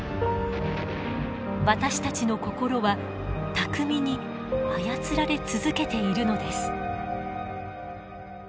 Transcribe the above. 私たちの心は巧みに操られ続けているのです。